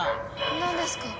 何ですか？